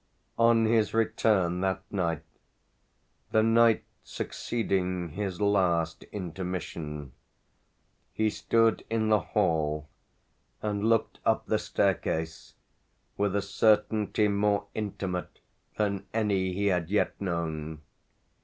On his return that night the night succeeding his last intermission he stood in the hall and looked up the staircase with a certainty more intimate than any he had yet known.